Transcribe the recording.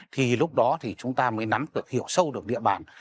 thì lúc đó thì chúng ta mới nắm hiểu sâu được địa bàn